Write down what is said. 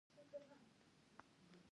خاویار له کسپین سمندر څخه ترلاسه کیږي.